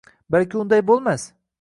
Balki unday bo`lmas